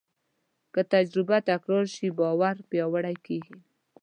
که تجربه تکرار شي، باور پیاوړی کېږي.